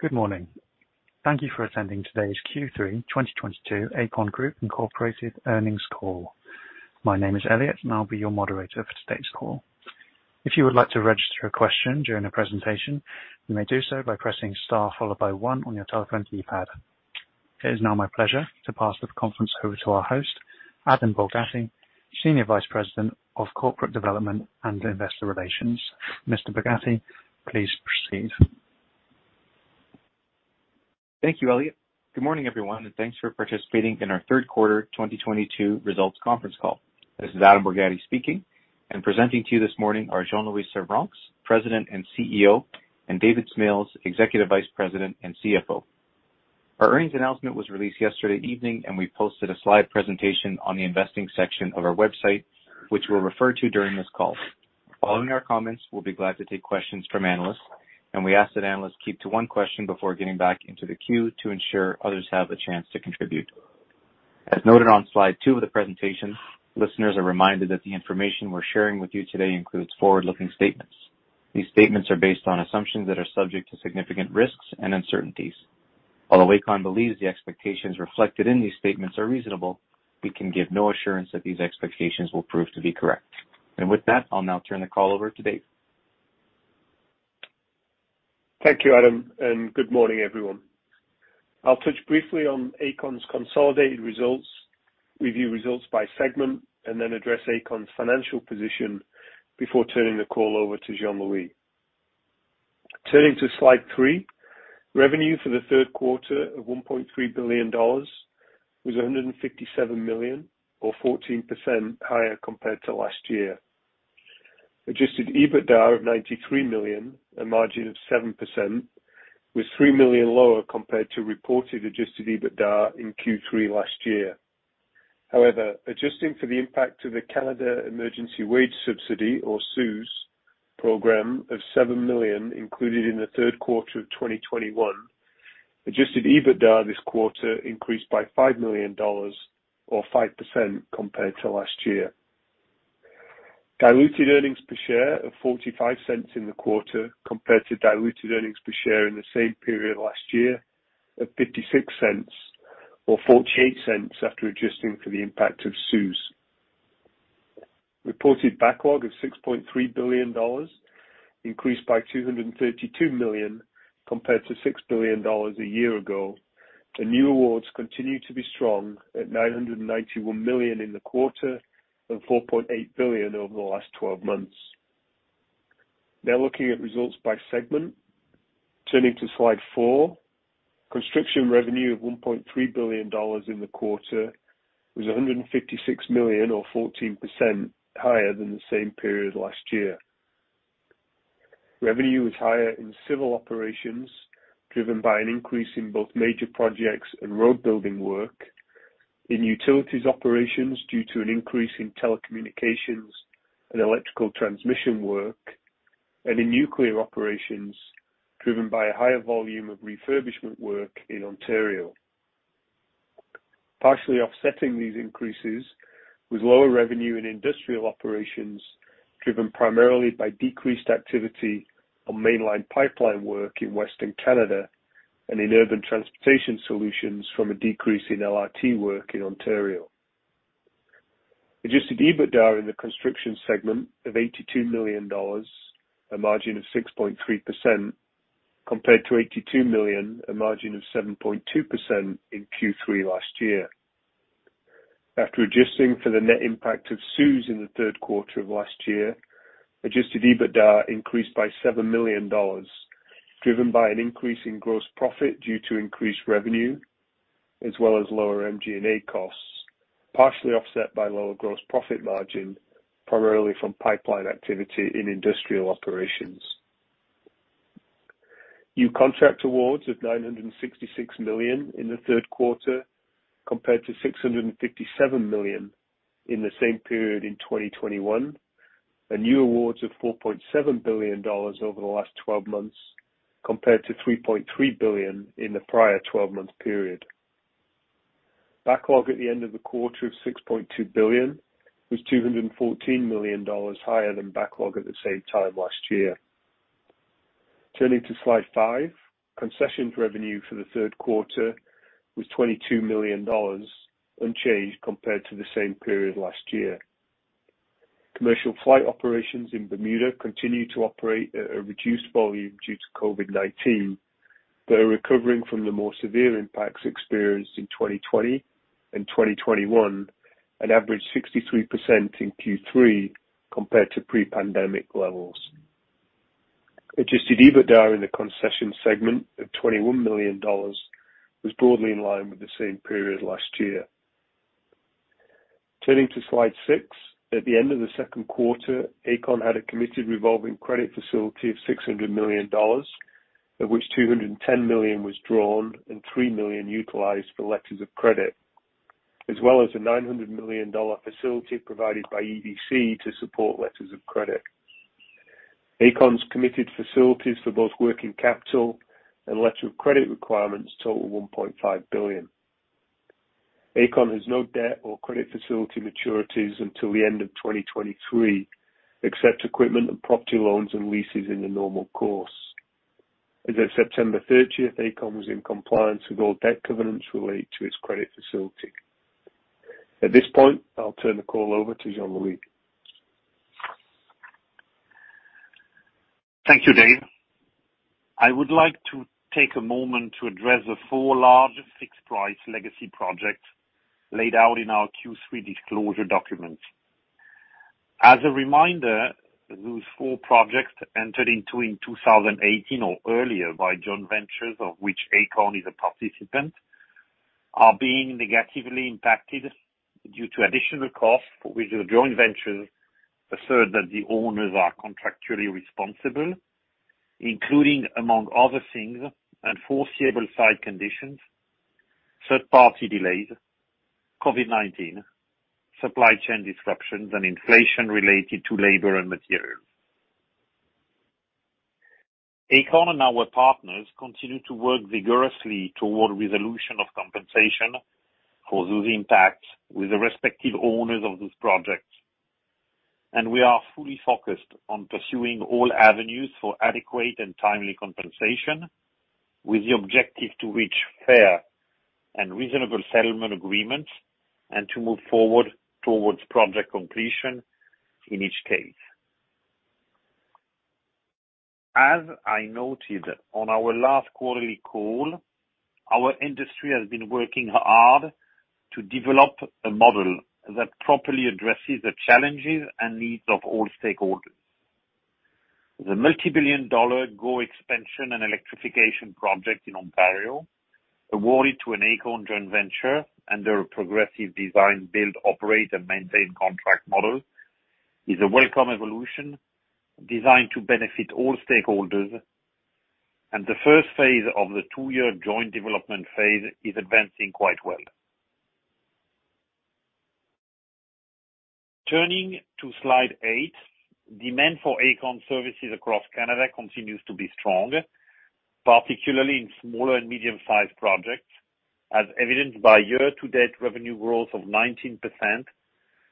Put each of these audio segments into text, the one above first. Good morning. Thank you for attending today's Q3 2022 Aecon Group Incorporated earnings call. My name is Elliot, and I'll be your moderator for today's call. If you would like to register a question during the presentation, you may do so by pressing star followed by one on your telephone keypad. It is now my pleasure to pass the conference over to our host, Adam Borgatti, Senior Vice President of Corporate Development and Investor Relations. Mr. Borgatti, please proceed. Thank you, Elliot. Good morning, everyone, and thanks for participating in our third quarter 2022 results conference call. This is Adam Borgatti speaking, and presenting to you this morning are Jean-Louis Servranckx, President and CEO, and David Smales, Executive Vice President and CFO. Our earnings announcement was released yesterday evening, and we posted a slide presentation on the investing section of our website, which we'll refer to during this call. Following our comments, we'll be glad to take questions from analysts, and we ask that analysts keep to one question before getting back into the queue to ensure others have the chance to contribute. As noted on slide two of the presentation, listeners are reminded that the information we're sharing with you today includes forward-looking statements. These statements are based on assumptions that are subject to significant risks and uncertainties. Although Aecon believes the expectations reflected in these statements are reasonable, we can give no assurance that these expectations will prove to be correct. With that, I'll now turn the call over to David. Thank you, Adam, and good morning, everyone. I'll touch briefly on Aecon's consolidated results, review results by segment, and then address Aecon's financial position before turning the call over to Jean-Louis. Turning to slide three, revenue for the third quarter of 1.3 billion dollars was 157 million or 14% higher compared to last year. Adjusted EBITDA of 93 million, a margin of 7% was 3 million lower compared to reported adjusted EBITDA in Q3 last year. However, adjusting for the impact of the Canada Emergency Wage Subsidy, or CEWS program of 7 million included in the third quarter of 2021, adjusted EBITDA this quarter increased by 5 million dollars or 5% compared to last year. Diluted earnings per share of 0.45 in the quarter compared to diluted earnings per share in the same period last year of 0.56 or 0.48 after adjusting for the impact of CEWS. Reported backlog of 6.3 billion dollars increased by 232 million compared to 6 billion dollars a year ago. The new awards continue to be strong at 991 million in the quarter and 4.8 billion over the last twelve months. Now looking at results by segment. Turning to slide four. Construction revenue of 1.3 billion dollars in the quarter was 156 million or 14% higher than the same period last year. Revenue was higher in civil operations, driven by an increase in both major projects and road building work, in utilities operations due to an increase in telecommunications and electrical transmission work, and in nuclear operations, driven by a higher volume of refurbishment work in Ontario. Partially offsetting these increases with lower revenue in industrial operations, driven primarily by decreased activity on mainline pipeline work in Western Canada and in urban transportation solutions from a decrease in LRT work in Ontario. Adjusted EBITDA in the construction segment of 82 million dollars, a margin of 6.3%, compared to 82 million, a margin of 7.2% in Q3 last year. After adjusting for the net impact of CEWS in the third quarter of last year, adjusted EBITDA increased by 7 million dollars, driven by an increase in gross profit due to increased revenue, as well as lower MG&A costs, partially offset by lower gross profit margin, primarily from pipeline activity in industrial operations. New contract awards of 966 million in the third quarter, compared to 657 million in the same period in 2021, and new awards of 4.7 billion dollars over the last twelve months, compared to 3.3 billion in the prior twelve-month period. Backlog at the end of the quarter of 6.2 billion was 214 million dollars higher than backlog at the same time last year. Turning to slide five. Concessions revenue for the third quarter was 22 million dollars, unchanged compared to the same period last year. Commercial flight operations in Bermuda continue to operate at a reduced volume due to COVID-19. They are recovering from the more severe impacts experienced in 2020 and 2021, and averaged 63% in Q3 compared to pre-pandemic levels. Adjusted EBITDA in the concession segment of 21 million dollars was broadly in line with the same period last year. Turning to slide six. At the end of the second quarter, Aecon had a committed revolving credit facility of 600 million dollars, of which 210 million was drawn and 3 million utilized for letters of credit, as well as a 900 million dollar facility provided by EDC to support letters of credit. Aecon's committed facilities for both working capital and letter of credit requirements total 1.5 billion. Aecon has no debt or credit facility maturities until the end of 2023, except equipment and property loans and leases in the normal course. As of September 30th, Aecon was in compliance with all debt covenants related to its credit facility. At this point, I'll turn the call over to Jean-Louis. Thank you, Dave. I would like to take a moment to address the four largest fixed-price legacy projects laid out in our Q3 disclosure documents. As a reminder, those four projects entered into in 2018 or earlier by joint ventures of which Aecon is a participant, are being negatively impacted due to additional costs which the joint venture assert that the owners are contractually responsible, including, among other things, unforeseeable site conditions, third party delays, COVID-19, supply chain disruptions and inflation related to labor and materials. Aecon and our partners continue to work vigorously toward resolution of compensation for those impacts with the respective owners of those projects. We are fully focused on pursuing all avenues for adequate and timely compensation with the objective to reach fair and reasonable settlement agreements and to move forward towards project completion in each case. As I noted on our last quarterly call, our industry has been working hard to develop a model that properly addresses the challenges and needs of all stakeholders. The multi-billion-dollar GO Expansion and Electrification project in Ontario, awarded to an Aecon joint venture under a Progressive Design-Build, operate, and maintain contract model, is a welcome evolution designed to benefit all stakeholders, and the first phase of the two-year joint development phase is advancing quite well. Turning to slide eight. Demand for Aecon services across Canada continues to be strong, particularly in smaller and medium-sized projects, as evidenced by year-to-date revenue growth of 19%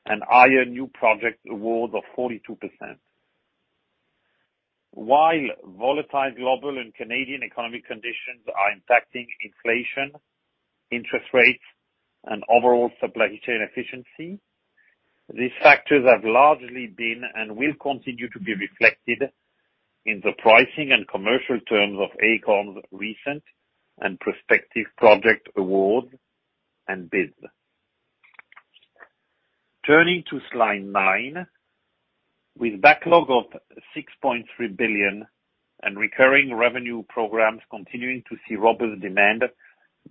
and higher new project awards of 42%. While volatile global and Canadian economic conditions are impacting inflation, interest rates, and overall supply chain efficiency, these factors have largely been, and will continue to be reflected in the pricing and commercial terms of Aecon's recent and prospective project awards and bids. Turning to slide nine. With backlog of 6.3 billion and recurring revenue programs continuing to see robust demand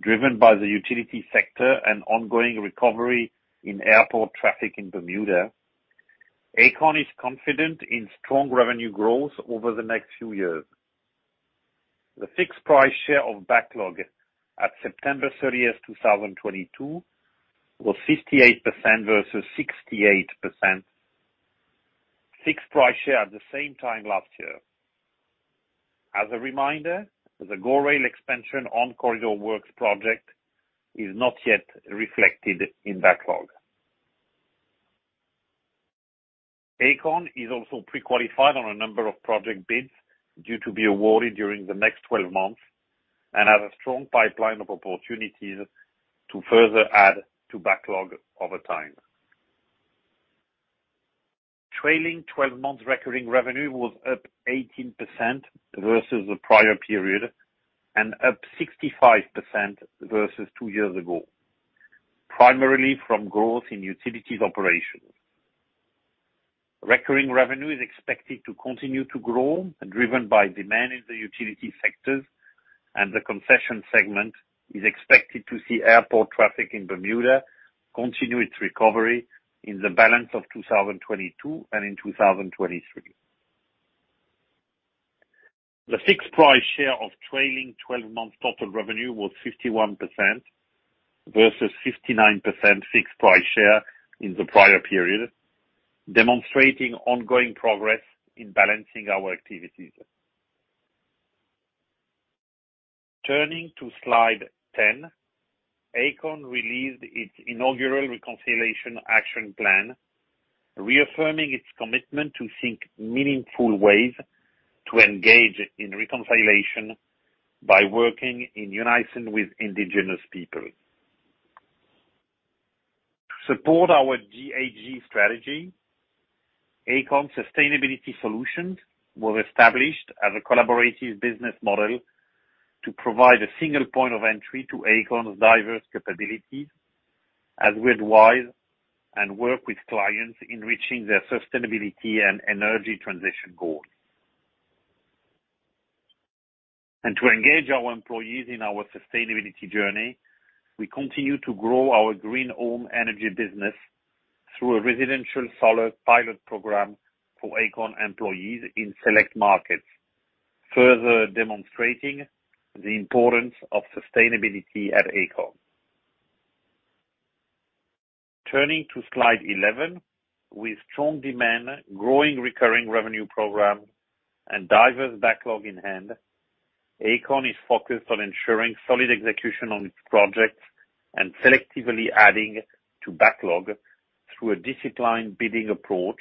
driven by the utility sector and ongoing recovery in airport traffic in Bermuda, Aecon is confident in strong revenue growth over the next few years. The fixed price share of backlog at September 30th, 2022 was 58% versus 68% fixed price share at the same time last year. As a reminder, the GO Rail Expansion On-Corridor Works project is not yet reflected in backlog. Aecon is also pre-qualified on a number of project bids due to be awarded during the next 12 months and have a strong pipeline of opportunities to further add to backlog over time. Trailing 12 months recurring revenue was up 18% versus the prior period, and up 65% versus two years ago, primarily from growth in utilities operations. Recurring revenue is expected to continue to grow, driven by demand in the utility sectors, and the concession segment is expected to see airport traffic in Bermuda continue its recovery in the balance of 2022 and in 2023. The fixed price share of trailing 12 months total revenue was 51% versus 59% fixed price share in the prior period, demonstrating ongoing progress in balancing our activities. Turning to slide 10. Aecon released its inaugural reconciliation action plan, reaffirming its commitment to seek meaningful ways to engage in reconciliation by working in unison with Indigenous people. Support our ESG strategy. Aecon Sustainability Solutions was established as a collaborative business model to provide a single point of entry to Aecon's diverse capabilities as we advise and work with clients in reaching their sustainability and energy transition goals. To engage our employees in our sustainability journey, we continue to grow our green home energy business through a residential solar pilot program for Aecon employees in select markets, further demonstrating the importance of sustainability at Aecon. Turning to slide 11. With strong demand, growing recurring revenue program and diverse backlog in hand, Aecon is focused on ensuring solid execution on its projects and selectively adding to backlog through a disciplined bidding approach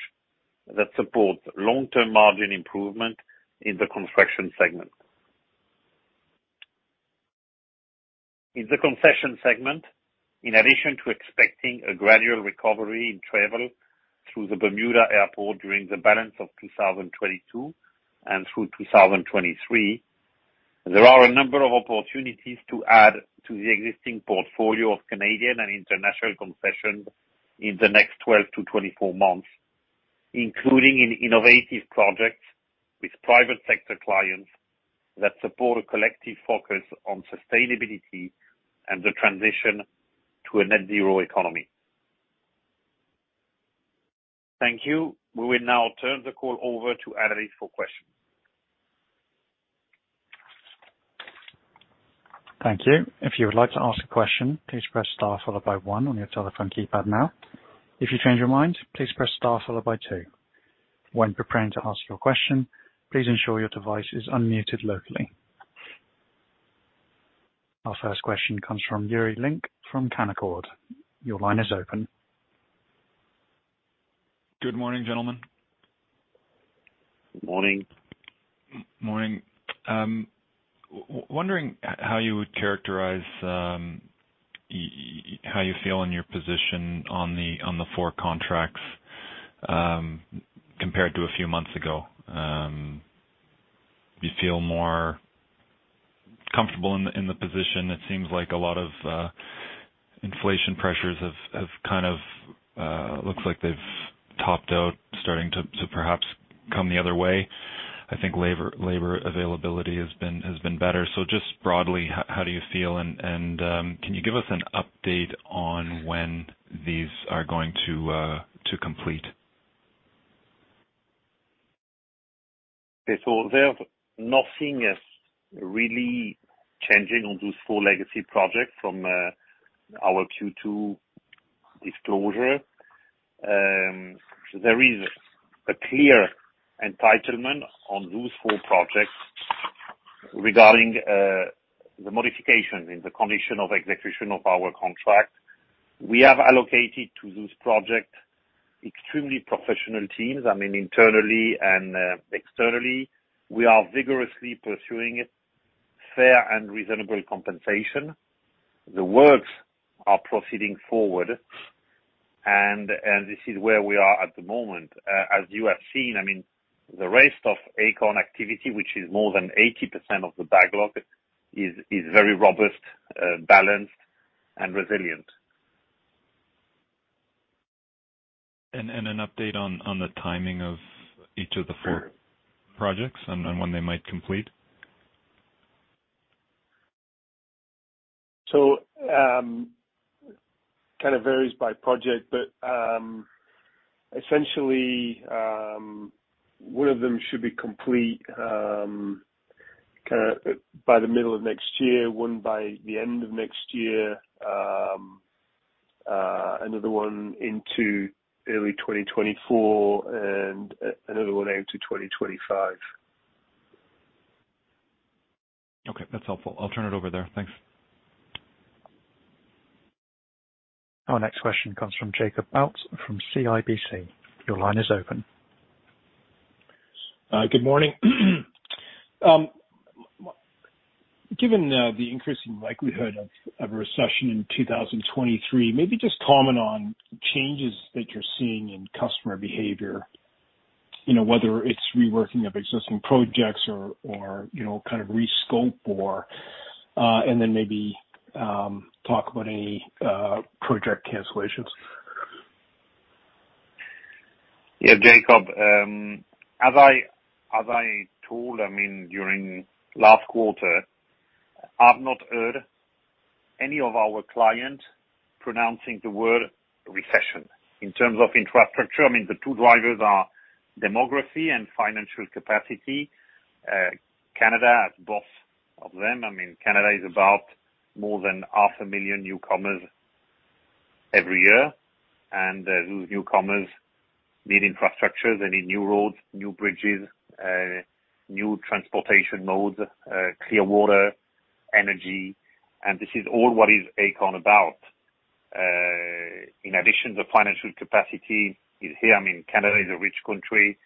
that supports long-term margin improvement in the construction segment. In the concession segment, in addition to expecting a gradual recovery in travel through the Bermuda Airport during the balance of 2022 and through 2023, there are a number of opportunities to add to the existing portfolio of Canadian and international concessions in the next 12 months-24 months, including in innovative projects with private sector clients that support a collective focus on sustainability and the transition to a net zero economy. Thank you. We will now turn the call over to analysts for questions. Thank you. If you would like to ask a question, please press star followed by one on your telephone keypad now. If you change your mind, please press star followed by two. When preparing to ask your question, please ensure your device is unmuted locally. Our first question comes from Yuri Lynk from Canaccord. Your line is open. Good morning, gentlemen. Morning. Morning. Wondering how you would characterize how you feel in your position on the four contracts compared to a few months ago? Do you feel more comfortable in the position? It seems like a lot of inflation pressures have kind of looks like they've topped out, starting to perhaps come the other way. I think labor availability has been better. Just broadly, how do you feel and can you give us an update on when these are going to complete? There's nothing is really changing on those four legacy projects from our Q2 disclosure. There is a clear entitlement on those four projects regarding the modification in the condition of execution of our contract. We have allocated to those projects extremely professional teams. I mean, internally and externally, we are vigorously pursuing it, fair and reasonable compensation. The works are proceeding forward and this is where we are at the moment. As you have seen, I mean, the rest of Aecon activity, which is more than 80% of the backlog, is very robust, balanced and resilient. An update on the timing of each of the four projects and when they might complete. It varies by project, but essentially, one of them should be complete kinda by the middle of next year, one by the end of next year, another one into early 2024 and another one into 2025. Okay. That's helpful. I'll turn it over there. Thanks. Our next question comes from Jacob Bout from CIBC. Your line is open. Good morning. Given the increasing likelihood of a recession in 2023, maybe just comment on changes that you're seeing in customer behavior, you know, whether it's reworking of existing projects or, you know, kind of rescope or, and then maybe talk about any project cancellations? Yeah, Jacob, as I told, I mean, during last quarter, I've not heard any of our clients pronouncing the word recession. In terms of infrastructure, I mean, the two drivers are demography and financial capacity. Canada has both of them. I mean, Canada is about more than half a million newcomers every year. Those newcomers need infrastructure. They need new roads, new bridges, new transportation modes, clear water, energy. This is all what is Aecon about. In addition to financial capacity is here, I mean, Canada is a rich country,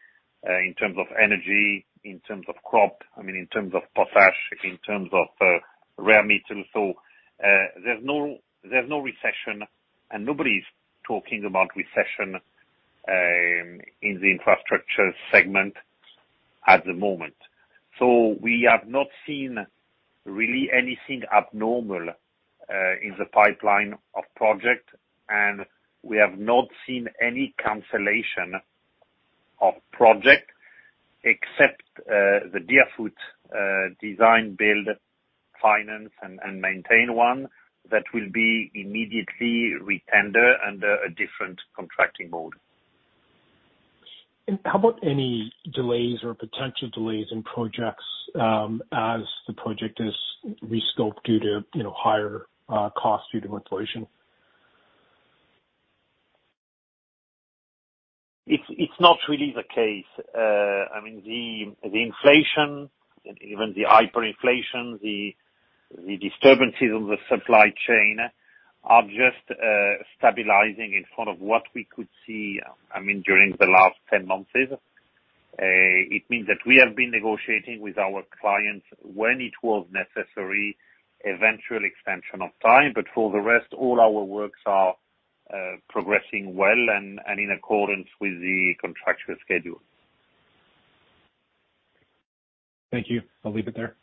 in terms of energy, in terms of crops, I mean, in terms of potash, in terms of rare metals. There's no recession, and nobody's talking about recession in the infrastructure segment at the moment. We have not seen really anything abnormal in the pipeline of project, and we have not seen any cancellation of project except the Deerfoot design, build, finance and maintain one that will be immediately retender under a different contracting mode. How about any delays or potential delays in projects, as the project is re-scoped due to, you know, higher costs due to inflation? It's not really the case. I mean, the inflation and even the hyperinflation, the disturbances on the supply chain are just stabilizing in front of what we could see, I mean, during the last 10 months. It means that we have been negotiating with our clients when it was necessary, eventual extension of time. For the rest, all our works are progressing well and in accordance with the contractual schedule. Thank you. I'll leave it there.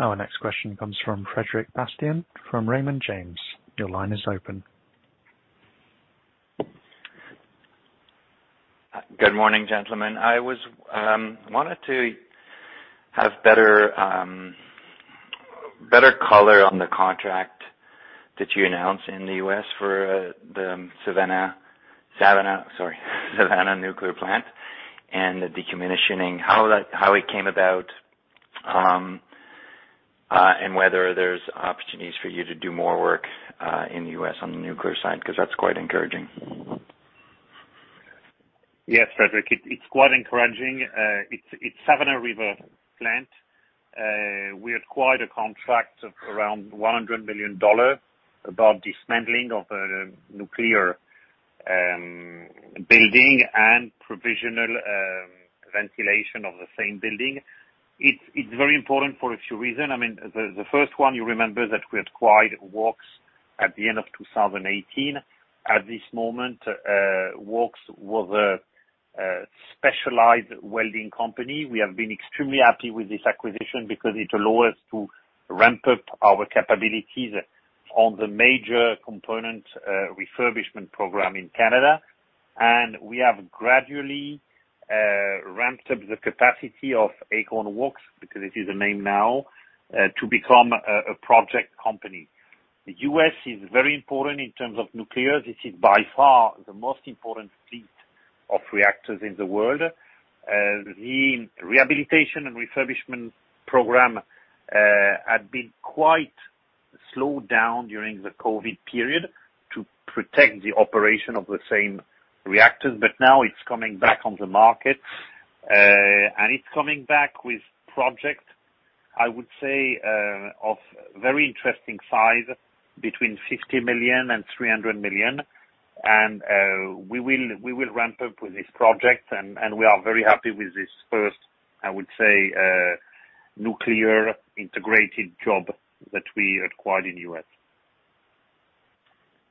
Our next question comes from Frederic Bastien from Raymond James. Your line is open. Good morning, gentlemen. I wanted to have better color on the contract that you announced in the U.S. for the Savannah nuclear plant and the decommissioning, how it came about, and whether there's opportunities for you to do more work in the U.S. on the nuclear side, because that's quite encouraging. Yes, Frederic, it's quite encouraging. It's Savannah River Plant. We acquired a contract of around $100 million about dismantling of a nuclear building and provisional ventilation of the same building. It's very important for a few reasons. I mean, the first one, you remember that we acquired Works at the end of 2018. At this moment, Works was a specialized welding company. We have been extremely happy with this acquisition because it allows us to ramp up our capabilities on the major component refurbishment program in Canada. We have gradually ramped up the capacity of Aecon Works, because it is the name now, to become a project company. The U.S. is very important in terms of nuclear. This is by far the most important fleet of reactors in the world. The rehabilitation and refurbishment program had been quite slowed down during the COVID period to protect the operation of the same reactors, but now it's coming back on the market, and it's coming back with project, I would say, of very interesting size between $50 million and $300 million. We will ramp up with this project and we are very happy with this first, I would say, nuclear integrated job that we acquired in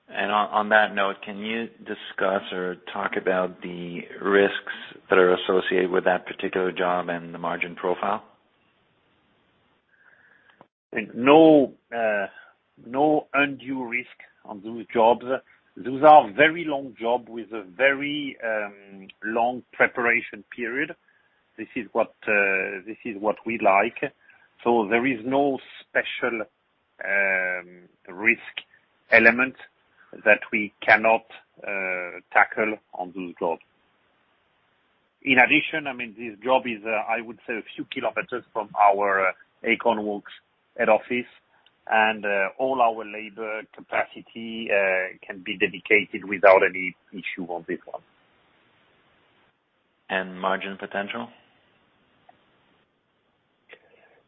U.S. On that note, can you discuss or talk about the risks that are associated with that particular job and the margin profile? No undue risk on those jobs. Those are very long job with a very long preparation period. This is what we like. There is no special risk element that we cannot tackle on those jobs. In addition, I mean, this job is, I would say, a few kilometers from our Aecon Works head office, and all our labor capacity can be dedicated without any issue on this one. Margin potential?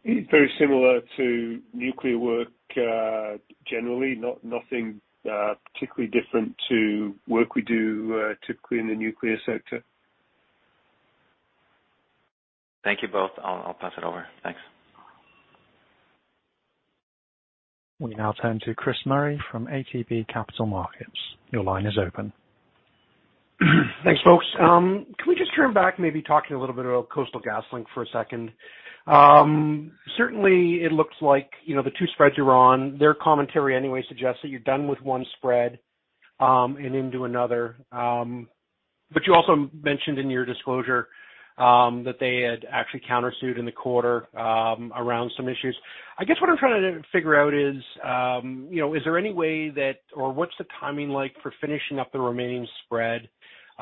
It's very similar to nuclear work, generally. Nothing particularly different to work we do typically in the nuclear sector. Thank you both. I'll pass it over. Thanks. We now turn to Chris Murray from ATB Capital Markets. Your line is open. Thanks, folks. Can we just turn back, maybe talking a little bit about Coastal GasLink for a second? Certainly it looks like, you know, the two spreads you're on, their commentary anyway suggests that you're done with one spread, and into another. You also mentioned in your disclosure, that they had actually countersued in the quarter, around some issues. I guess what I'm trying to figure out is, you know, is there any way that, or what's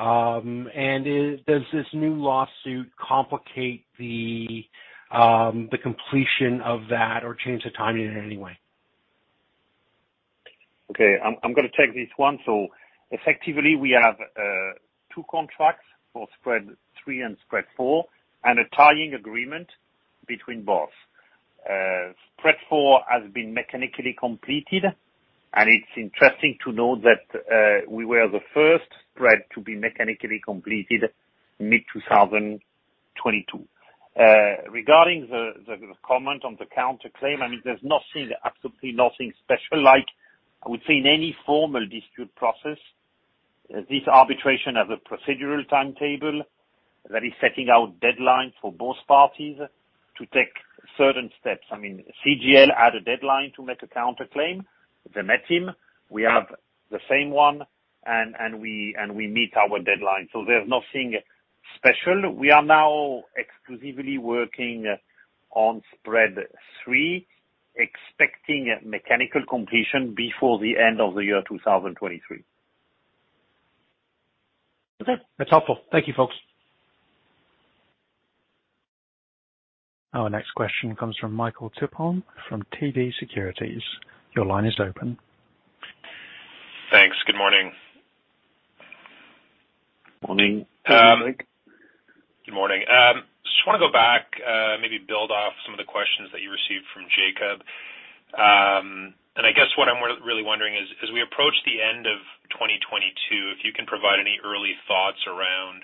the timing like for finishing up the remaining spread? Does this new lawsuit complicate the completion of that or change the timing in any way? I'm gonna take this one. Effectively we have two contracts for Spread 3 and Spread 4 and a tying agreement between both. Spread 4 has been mechanically completed, and it's interesting to note that we were the first spread to be mechanically completed mid-2022. Regarding the comment on the counterclaim, I mean, there's nothing, absolutely nothing special like I would say in any formal dispute process. This arbitration has a procedural timetable that is setting out deadlines for both parties to take certain steps. I mean, CGL had a deadline to make a counterclaim. They met it. We have the same one and we meet our deadline. There's nothing- We are now exclusively working on Spread 3, expecting a mechanical completion before the end of the year 2023. Okay. That's helpful. Thank you, folks. Our next question comes from Michael Tupholme from TD Securities. Your line is open. Thanks. Good morning. Morning. Good morning. Just wanna go back, maybe build off some of the questions that you received from Jacob. I guess what I'm really wondering is, as we approach the end of 2022, if you can provide any early thoughts around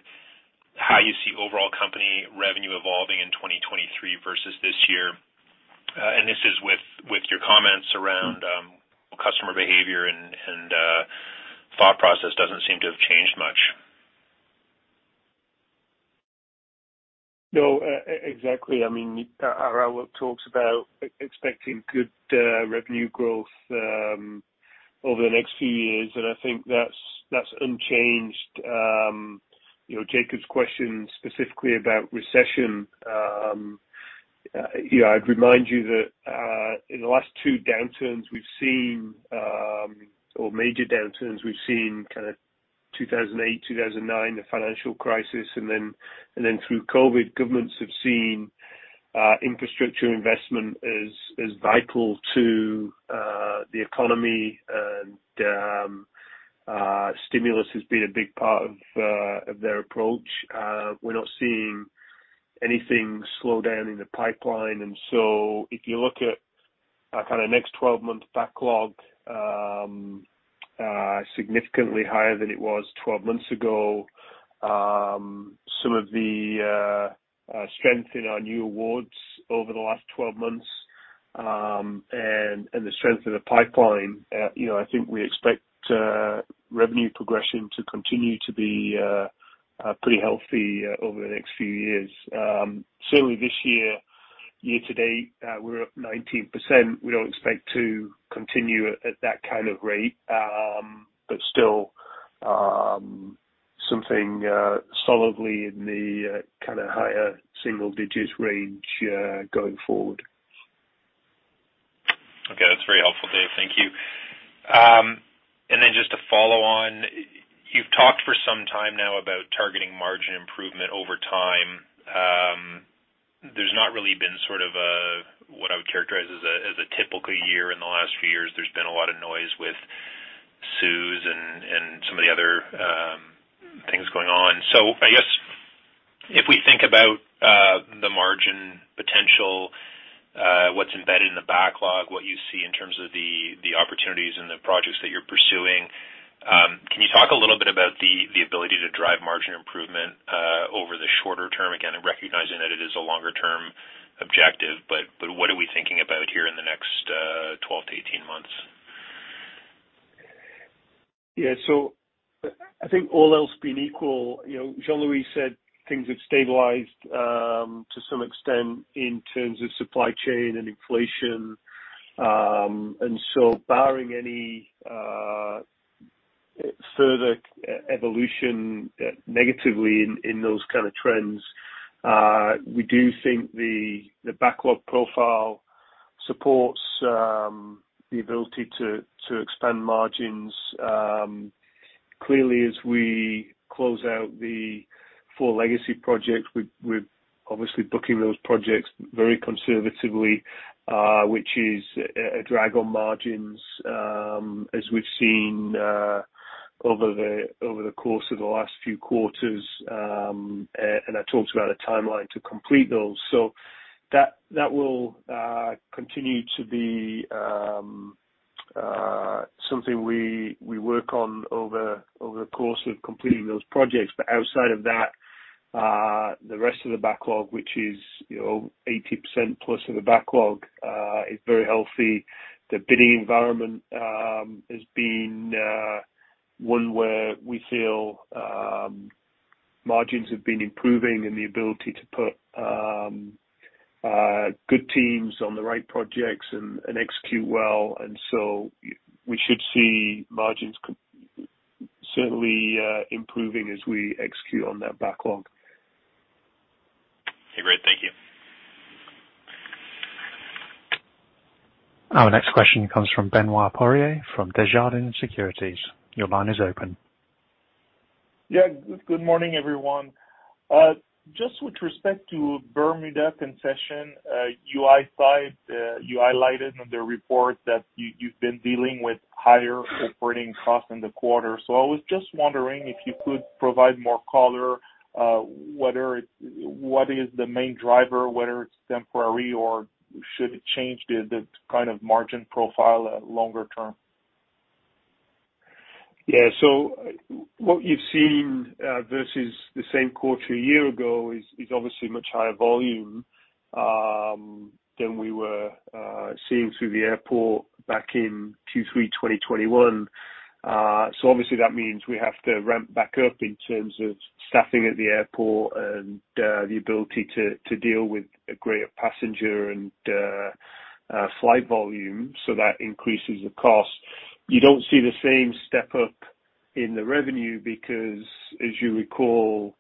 how you see overall company revenue evolving in 2023 versus this year. This is with your comments around customer behavior and thought process doesn't seem to have changed much. No, exactly. I mean, Ara will talk about expecting good revenue growth over the next few years, and I think that's unchanged. You know, Jacob's question specifically about recession. You know, I'd remind you that in the last two downturns we've seen, or major downturns we've seen, kind of 2008, 2009, the financial crisis and then through COVID, governments have seen infrastructure investment as vital to the economy. Stimulus has been a big part of their approach. We're not seeing anything slow down in the pipeline. If you look at our kind of next 12-month backlog, significantly higher than it was 12 months ago, some of the strength in our new awards over the last 12 months, and the strength of the pipeline, you know, I think we expect revenue progression to continue to be pretty healthy over the next few years. Certainly this year to date, we're up 19%. We don't expect to continue at that kind of rate. Still, something solidly in the kinda higher single digits range going forward. Okay. That's very helpful, Dave. Thank you. Then just to follow on, you've talked for some time now about targeting margin improvement over time. There's not really been sort of a, what I would characterize as a typical year in the last few years. There's been a lot of noise with CEWS and some of the other things going on. I guess if we think about the margin potential, what's embedded in the backlog, what you see in terms of the opportunities and the projects that you're pursuing, can you talk a little bit about the ability to drive margin improvement over the shorter term? Again, recognizing that it is a longer term objective, but what are we thinking about here in the next 12 to 18 months? Yeah. I think all else being equal, you know, Jean-Louis said things have stabilized to some extent in terms of supply chain and inflation. Barring any further evolution negatively in those kind of trends, we do think the backlog profile supports the ability to expand margins. Clearly, as we close out the four legacy projects, we're obviously booking those projects very conservatively, which is a drag on margins, as we've seen over the course of the last few quarters, and I talked about a timeline to complete those. That will continue to be something we work on over the course of completing those projects. Outside of that, the rest of the backlog, which is, you know, 80%+ of the backlog, is very healthy. The bidding environment has been one where we feel margins have been improving and the ability to put good teams on the right projects and execute well. We should see margins certainly improving as we execute on that backlog. Okay. Great. Thank you. Our next question comes from Benoit Poirier, from Desjardins Securities. Your line is open. Yeah. Good morning, everyone. Just with respect to Bermuda concession, you identified, you highlighted in the report that you've been dealing with higher operating costs in the quarter. I was just wondering if you could provide more color, what is the main driver, whether it's temporary or should it change the kind of margin profile at longer term? Yeah. What you've seen versus the same quarter a year ago is obviously much higher volume than we were seeing through the airport back in Q3 2021. Obviously, that means we have to ramp back up in terms of staffing at the airport and the ability to deal with a greater passenger and flight volume, so that increases the cost. You don't see the same step up in the revenue because as you recall,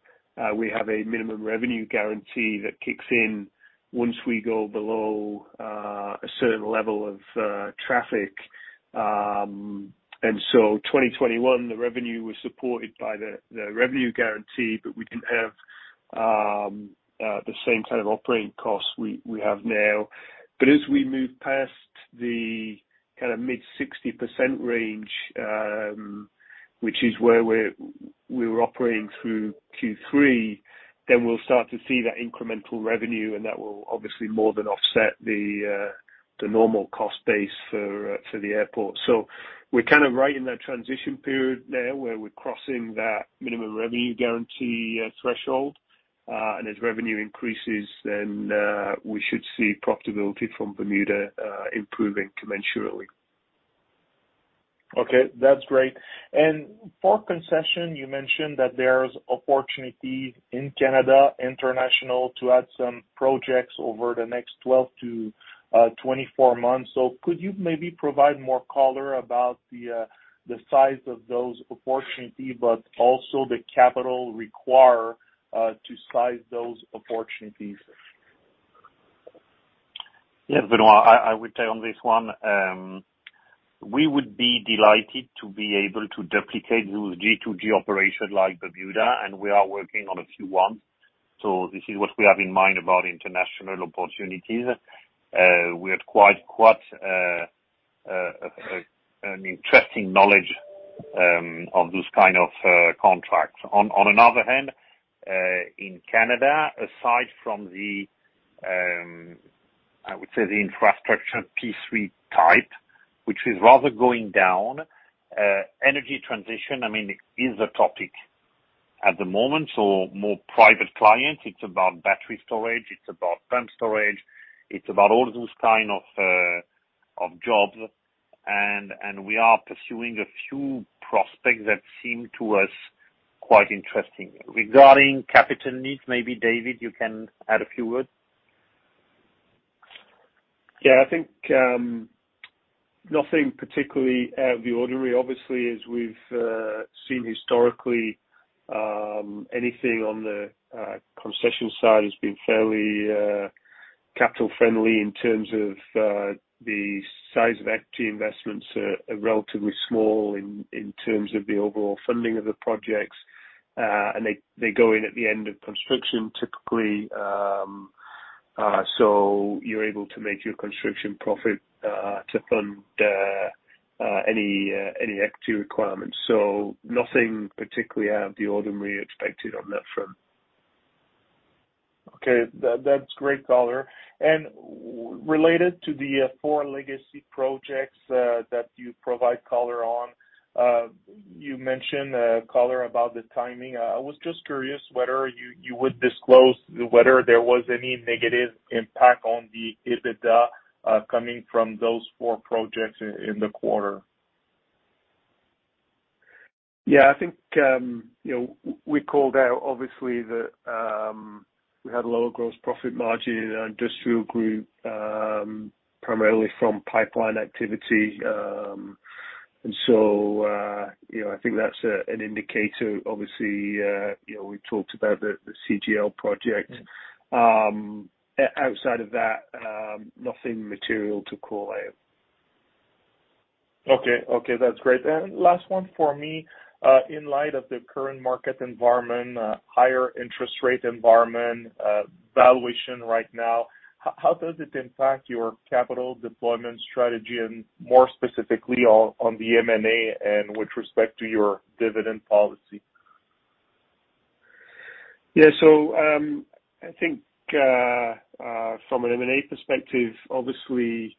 we have a minimum revenue guarantee that kicks in once we go below a certain level of traffic. 2021, the revenue was supported by the revenue guarantee, but we didn't have the same kind of operating costs we have now. As we move past the kind of mid-60% range, which is where we were operating through Q3, then we'll start to see that incremental revenue, and that will obviously more than offset the the normal cost base for for the airport. We're kind of right in that transition period now where we're crossing that minimum revenue guarantee threshold. As revenue increases then, we should see profitability from Bermuda improving commensurately. Okay. That's great. For concession, you mentioned that there's opportunity in Canada International to add some projects over the next 12-24 months. Could you maybe provide more color about the size of those opportunities, but also the capital required to size those opportunities? Yes, Benoit. I will take on this one. We would be delighted to be able to duplicate those G2G operation like Bermuda, and we are working on a few ones. This is what we have in mind about international opportunities. We had quite an interesting knowledge on those kind of contracts. On the other hand, in Canada, aside from the I would say the infrastructure P3 type, which is rather going down, energy transition, I mean, is a topic at the moment. More private clients, it's about battery storage, it's about pump storage, it's about all those kind of jobs. We are pursuing a few prospects that seem to us quite interesting. Regarding capital needs, maybe David, you can add a few words. Yeah. I think nothing particularly out of the ordinary. Obviously, as we've seen historically, anything on the concession side has been fairly capital friendly in terms of the size of equity investments are relatively small in terms of the overall funding of the projects. They go in at the end of construction, typically. You're able to make your construction profit to fund any equity requirements. Nothing particularly out of the ordinary expected on that front. Okay. That's great color. Related to the four legacy projects that you provide color on, you mentioned color about the timing. I was just curious whether you would disclose whether there was any negative impact on the EBITDA coming from those four projects in the quarter? Yeah. I think, you know, we called out obviously that we had a lower gross profit margin in our industrial group, primarily from pipeline activity. You know, I think that's an indicator. Obviously, you know, we talked about the CGL project. Outside of that, nothing material to call out. Okay. That's great. Last one for me. In light of the current market environment, higher interest rate environment, valuation right now, how does it impact your capital deployment strategy, and more specifically on the M&A and with respect to your dividend policy? Yeah. I think from an M&A perspective, obviously,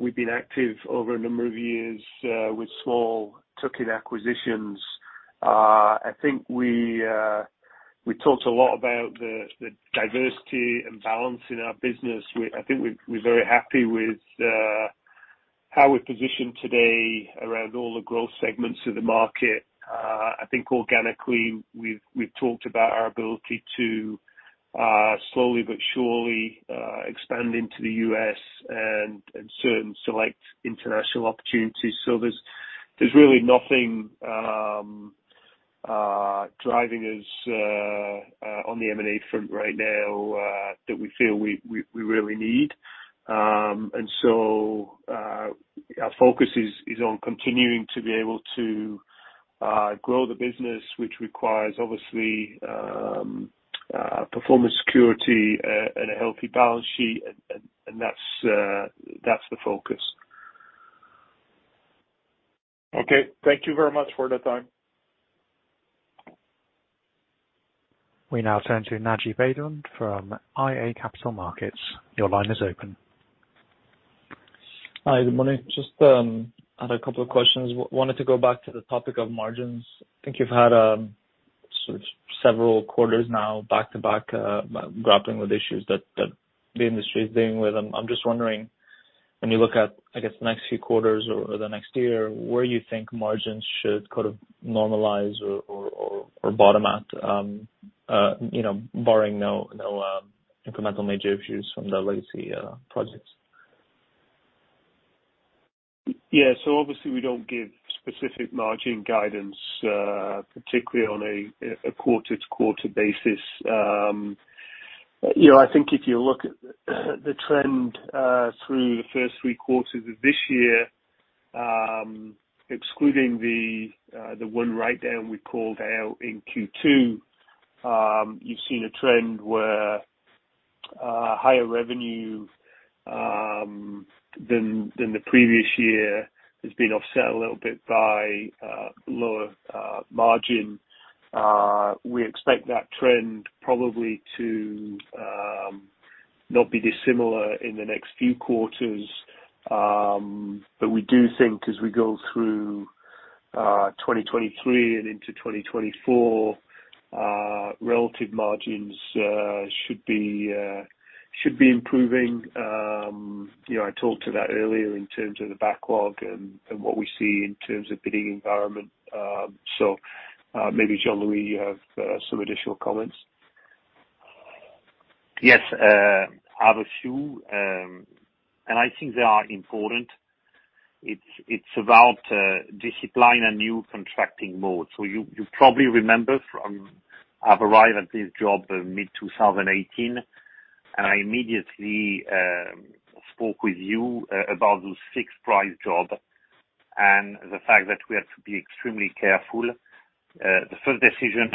we've been active over a number of years with small tuck-in acquisitions. I think we talked a lot about the diversity and balance in our business. I think we're very happy with how we're positioned today around all the growth segments of the market. I think organically, we've talked about our ability to slowly but surely expand into the U.S. and certain select international opportunities. There's really nothing driving us on the M&A front right now that we feel we really need. Our focus is on continuing to be able to grow the business, which requires obviously performance security and a healthy balance sheet. That's the focus. Okay. Thank you very much for the time. We now turn to Naji Baydoun from iA Capital Markets. Your line is open. Hi, good morning. Just had a couple of questions. Wanted to go back to the topic of margins. I think you've had sort of several quarters now back to back grappling with issues that the industry is dealing with. I'm just wondering, when you look at, I guess, the next few quarters or the next year, where you think margins should kind of normalize or bottom out, you know, barring no incremental major issues from the legacy projects. Yeah. Obviously we don't give specific margin guidance, particularly on a quarter-to-quarter basis. You know, I think if you look at the trend through the first three quarters of this year, excluding the one write-down we called out in Q2, you've seen a trend where higher revenue than the previous year has been offset a little bit by lower margin. We expect that trend probably to not be dissimilar in the next few quarters. We do think as we go through 2023 and into 2024, relative margins should be improving. You know, I talked to that earlier in terms of the backlog and what we see in terms of bidding environment. Maybe Jean-Louis, you have some additional comments. Yes. I have a few, and I think they are important. It's about discipline and new contracting mode. You probably remember from, I've arrived at this job in mid-2018, and I immediately spoke with you about those fixed price job and the fact that we have to be extremely careful. The first decision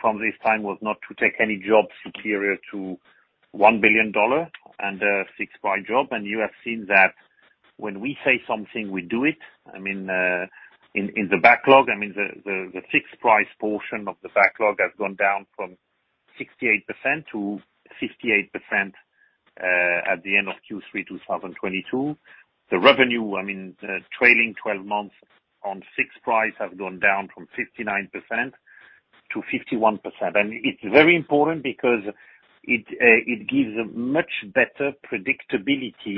from this time was not to take any job superior to 1 billion dollar under a fixed price job. You have seen that when we say something, we do it. I mean, in the backlog, I mean, the fixed price portion of the backlog has gone down from 68% to 58%, at the end of Q3 2022. The revenue, I mean, the trailing twelve months on fixed price has gone down from 59% to 51%. It's very important because it gives a much better predictability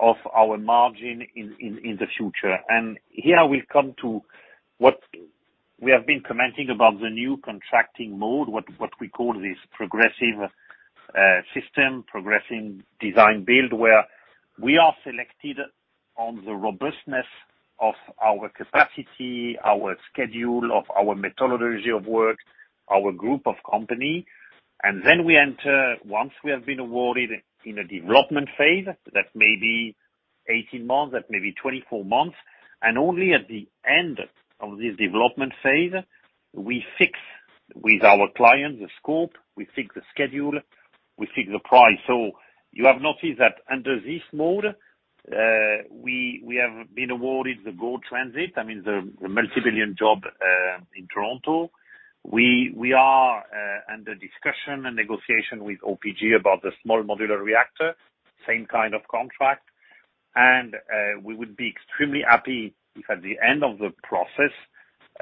of our margin in the future. Here we come to what we have been commenting about the new contracting mode, what we call this progressive system, Progressive Design-Build, where we are selected on the robustness of our capacity, our schedule, of our methodology of work, our group of company. We enter, once we have been awarded in a development phase, that may be 18 months, that may be 24 months. Only at the end of this development phase, we fix with our client the scope, we fix the schedule, we fix the price. You have noticed that under this mode, we have been awarded the GO Transit, that means the multi-billion job in Toronto. We are under discussion and negotiation with OPG about the small modular reactor, same kind of contract. We would be extremely happy if at the end of the process,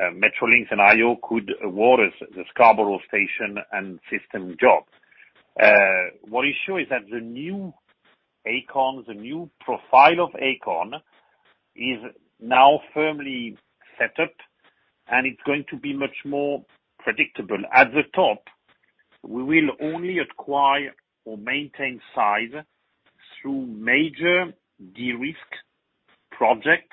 Metrolinx and IO could award us the Scarborough station and system jobs. What is sure is that the new Aecon, the new profile of Aecon is now firmly set up, and it's going to be much more predictable. At the top, we will only acquire or maintain size through major de-risk project,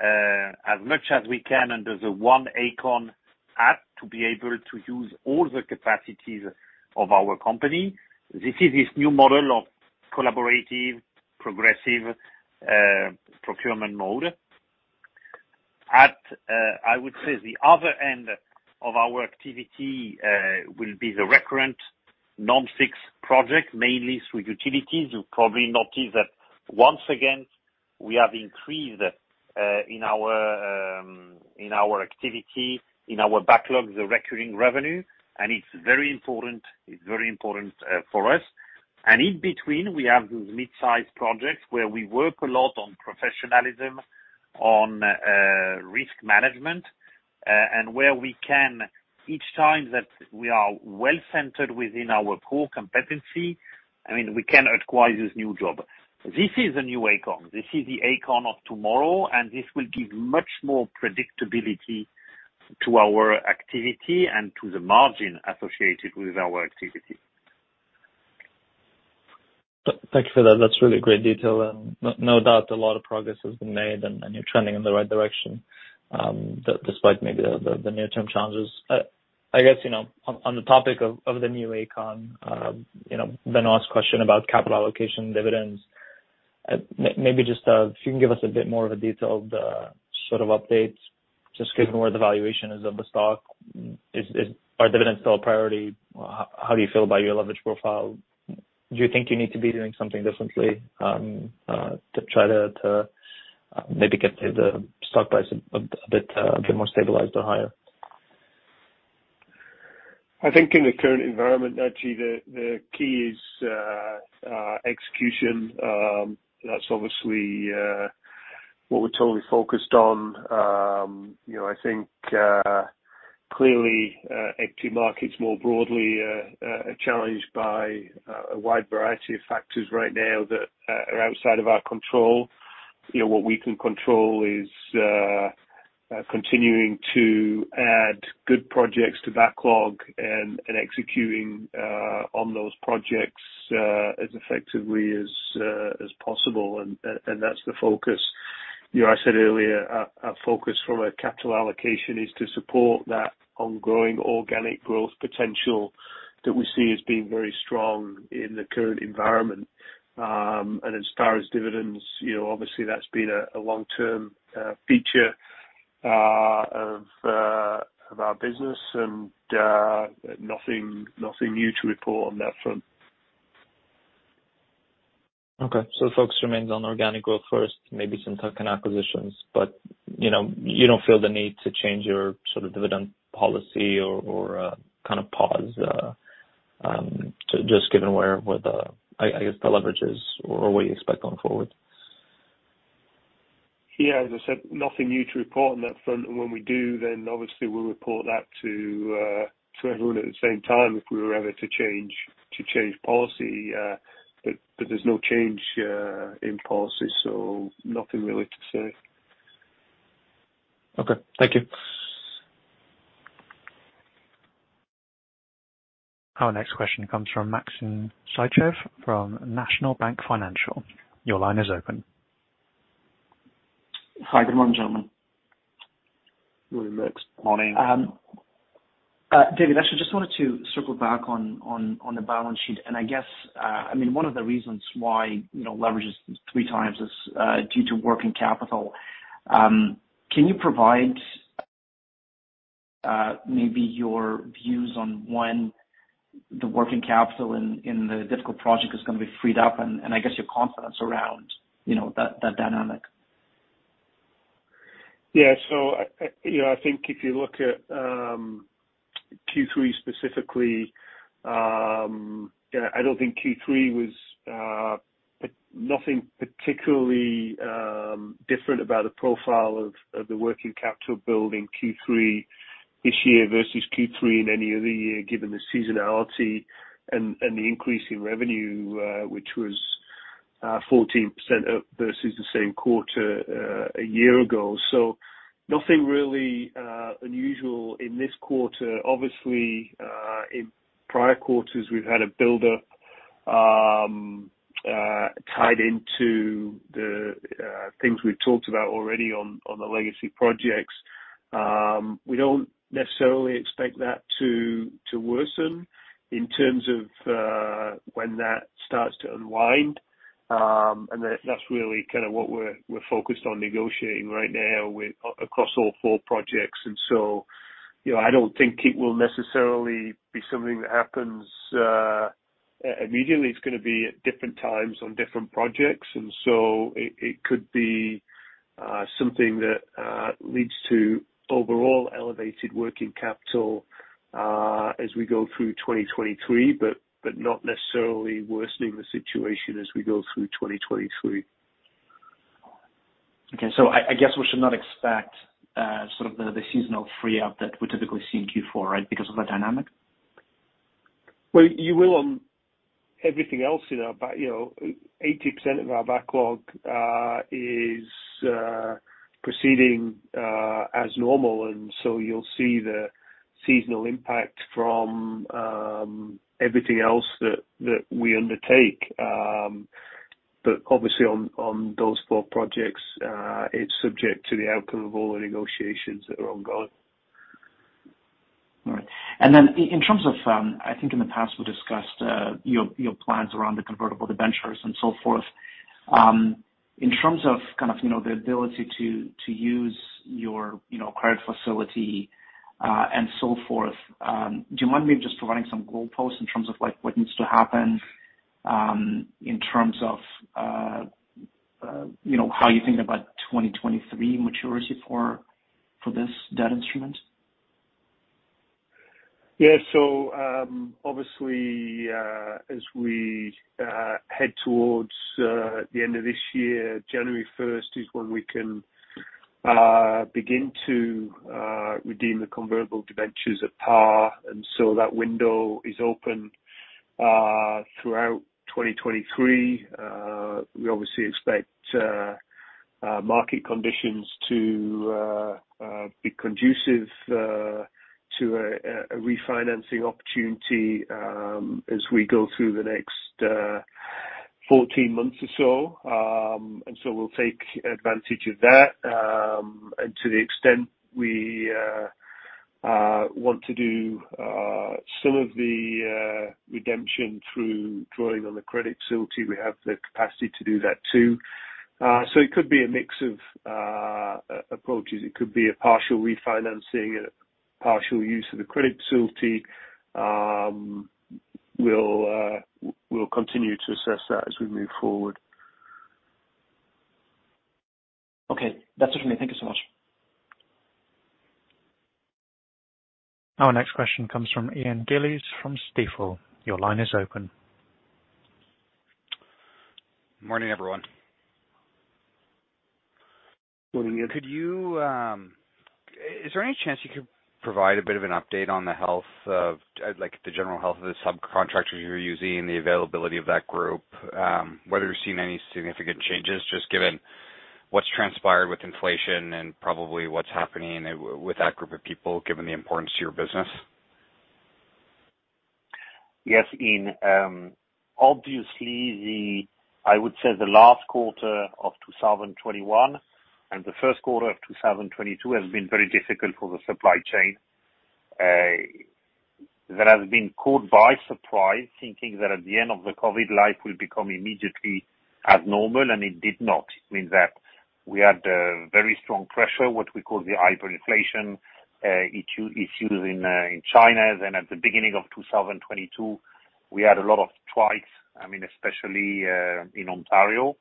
as much as we can under the One Aecon hat, to be able to use all the capacities of our company. This is the new model of collaborative, progressive, procurement mode. At the other end of our activity, I would say, will be the recurrent non-fixed project, mainly through utilities. You probably notice that once again, we have increased in our activity, in our backlog, the recurring revenue. It's very important for us. In between, we have these mid-sized projects where we work a lot on professionalism, on risk management, and where we can, each time that we are well centered within our core competency, I mean, we can acquire this new job. This is the new Aecon. This is the Aecon of tomorrow, and this will give much more predictability to our activity and to the margin associated with our activity. Thank you for that. That's really great detail. No doubt a lot of progress has been made and you're trending in the right direction, despite maybe the near-term challenges. I guess, you know, on the topic of the new Aecon, you know, then ask question about capital allocation dividends. Maybe just if you can give us a bit more of a detailed sort of update, just given where the valuation is of the stock, are dividends still a priority? How do you feel about your leverage profile? Do you think you need to be doing something differently to try to maybe get the stock price a bit more stabilized or higher? I think in the current environment, actually the key is execution. That's obviously what we're totally focused on. You know, I think clearly equity markets more broadly are challenged by a wide variety of factors right now that are outside of our control. You know, what we can control is continuing to add good projects to backlog and executing on those projects as effectively as possible. That's the focus. You know, I said earlier our focus from a capital allocation is to support that ongoing organic growth potential that we see as being very strong in the current environment. As far as dividends, you know, obviously that's been a long-term feature of our business and nothing new to report on that front. Okay. The focus remains on organic growth first, maybe some tuck-in acquisitions, but, you know, you don't feel the need to change your sort of dividend policy or kind of pause to just given where the I guess the leverage is or what you expect going forward? Yeah, as I said, nothing new to report on that front. When we do, then obviously we'll report that to everyone at the same time if we were ever to change policy. But there's no change in policy. Nothing really to say. Okay. Thank you. Our next question comes from Maxim Sytchev from National Bank Financial. Your line is open. Hi. Good morning, gentlemen. Morning, Max. Morning. David, I just wanted to circle back on the balance sheet. I guess, I mean, one of the reasons why, you know, leverage is 3x is due to working capital. Can you provide maybe your views on, one, the working capital in the difficult project is gonna be freed up and I guess your confidence around, you know, that dynamic? Yeah. You know, I think if you look at Q3 specifically, you know, I don't think Q3 was nothing particularly different about the profile of the working capital build in Q3 this year versus Q3 in any other year, given the seasonality and the increase in revenue, which was 14% up versus the same quarter a year ago. Nothing really unusual in this quarter. Obviously, in prior quarters we've had a buildup tied into the things we've talked about already on the legacy projects. We don't necessarily expect that to worsen in terms of when that starts to unwind. That's really kind of what we're focused on negotiating right now with across all four projects. You know, I don't think it will necessarily be something that happens immediately. It's gonna be at different times on different projects. It could be something that leads to overall elevated working capital as we go through 2023, but not necessarily worsening the situation as we go through 2023. Okay. I guess we should not expect sort of the seasonal free up that we typically see in Q4, right? Because of that dynamic. Well, you will on everything else in our backlog, you know, 80% of our backlog is proceeding as normal, and so you'll see the seasonal impact from everything else that we undertake. Obviously on those four projects, it's subject to the outcome of all the negotiations that are ongoing. All right. Then in terms of, I think in the past we discussed, your plans around the convertible debentures and so forth. In terms of kind of, you know, the ability to use your, you know, credit facility, and so forth, do you mind me just providing some goalposts in terms of like what needs to happen, in terms of, you know, how you think about 2023 maturity for this debt instrument? Yeah. Obviously, as we head towards the end of this year, January first is when we can begin to redeem the convertible debentures at par. That window is open throughout 2023. We obviously expect market conditions to be conducive to a refinancing opportunity, as we go through the next 14 months or so. We'll take advantage of that. To the extent we want to do some of the redemption through drawing on the credit facility, we have the capacity to do that too. It could be a mix of approaches. It could be a partial refinancing and a partial use of the credit facility. We'll continue to assess that as we move forward. Okay. That's it for me. Thank you so much. Our next question comes from Ian Gillies from Stifel. Your line is open. Morning, everyone. Could you, is there any chance you could provide a bit of an update on the health of, like, the general health of the subcontractors you're using, the availability of that group, whether you're seeing any significant changes just given what's transpired with inflation and probably what's happening with that group of people, given the importance to your business? Yes. In obviously I would say the last quarter of 2021 and the first quarter of 2022 has been very difficult for the supply chain. That has been caught by surprise thinking that at the end of the COVID life will become immediately as normal, and it did not. It means that we had very strong pressure, what we call the hyperinflation issues in China. Then at the beginning of 2022, we had a lot of strikes, I mean, especially in Ontario.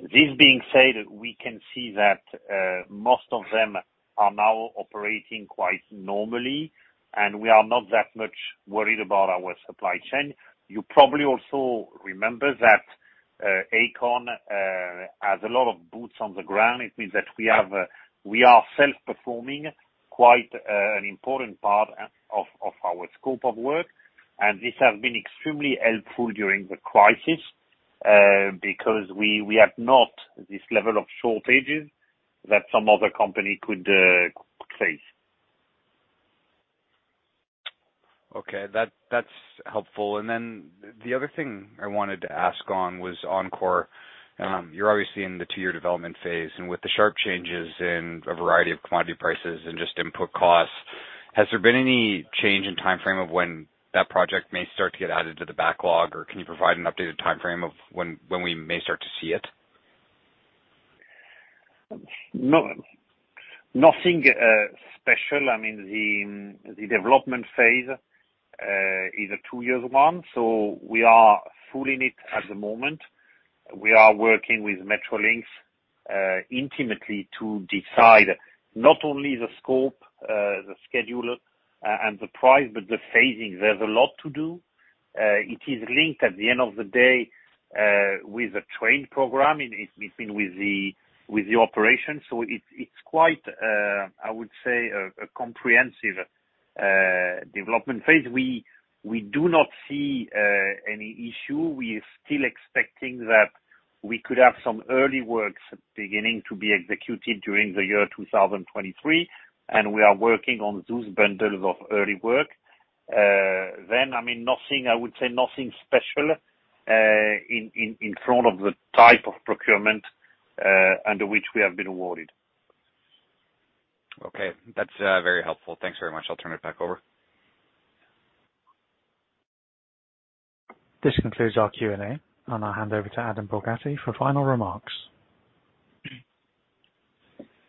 This being said, we can see that most of them are now operating quite normally, and we are not that much worried about our supply chain. You probably also remember that Aecon has a lot of boots on the ground. It means that we are self-performing quite an important part of our scope of work, and this has been extremely helpful during the crisis, because we had not this level of shortages that some other company could face. Okay. That, that's helpful. Then the other thing I wanted to ask on was On-Corridor. You're obviously in the two-year development phase, and with the sharp changes in a variety of commodity prices and just input costs, has there been any change in timeframe of when that project may start to get added to the backlog? Or can you provide an updated timeframe of when we may start to see it? No. Nothing special. I mean, the development phase is a two-year one, so we are full in it at the moment. We are working with Metrolinx intimately to decide not only the scope, the schedule, and the price, but the phasing. There's a lot to do. It is linked at the end of the day with the train program in between with the operation. So it's quite, I would say, a comprehensive development phase. We do not see any issue. We are still expecting that we could have some early works beginning to be executed during the year 2023, and we are working on those bundles of early work. I mean, nothing, I would say, nothing special in front of the type of procurement under which we have been awarded. Okay. That's very helpful. Thanks very much. I'll turn it back over. This concludes our Q&A, and I'll hand over to Adam Borgatti for final remarks.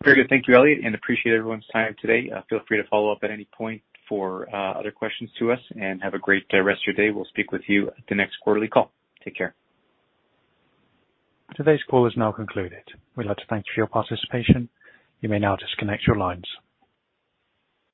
Very good. Thank you, Elliot, and appreciate everyone's time today. Feel free to follow up at any point for other questions to us and have a great rest of your day. We'll speak with you at the next quarterly call. Take care. Today's call is now concluded. We'd like to thank you for your participation. You may now disconnect your lines.